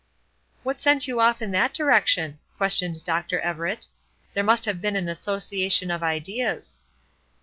"What sent you off in that direction?" questioned Dr. Everett. "There must have been an association of ideas."